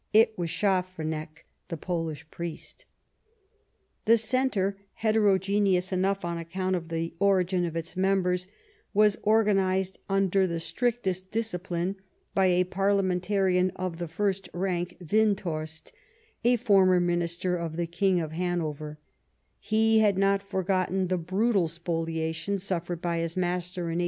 It was Schaffranek, the Polish priest. The Centre, heterogeneous enough on account of the origin of its members, was organized under the strictest discipline by a parliamentarian of the first rank, Windthorst ; a former Minister of the King of Hanover, he had not forgotten the brutal spoliation suffered by his master in 1866.